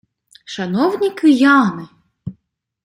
Шановні кияни!